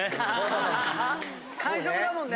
完食だもんね。